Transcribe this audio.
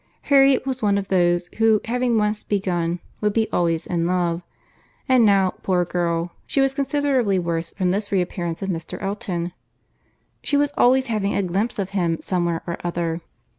Harriet was one of those, who, having once begun, would be always in love. And now, poor girl! she was considerably worse from this reappearance of Mr. Elton. She was always having a glimpse of him somewhere or other.